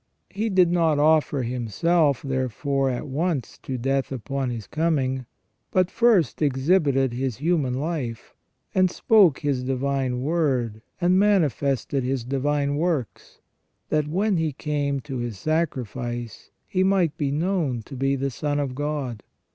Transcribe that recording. He did not offer Himself, therefore, at once to death, upon His coming, but first exhibited His human life, and spoke His divine word, and manifested His divine works, that when He came to His sacrifice He might be known to be the Son of God.